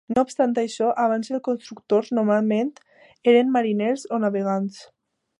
No obstant això, abans els constructors normalment eren mariners o navegants.